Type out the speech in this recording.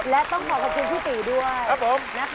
และต้องขอขอบคุณพี่ตีด้วย